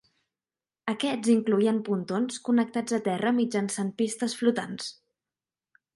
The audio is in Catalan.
Aquests incloïen pontons connectats a terra mitjançant pistes flotants.